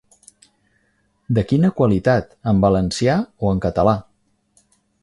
De quina qualitat en valencià o en català.